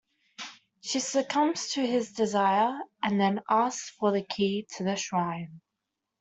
She succumbs to his desire, and then asks for the key to the shrine.